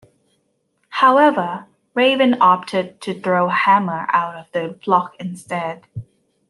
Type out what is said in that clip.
However, Raven opted to throw Hammer out of the Flock instead.